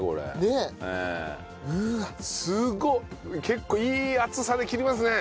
結構いい厚さで切りますね。